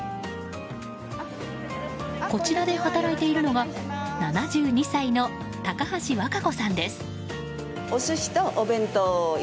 こちらで働いているのが７２歳の高橋和歌子さんです。